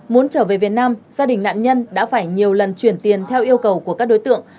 muốn trở về việt nam gia đình nạn nhân đã phải nhiều lần chuyển tiền theo yêu cầu của các đối tượng